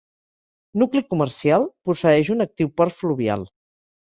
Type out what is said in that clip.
Nucli comercial, posseeix un actiu port fluvial.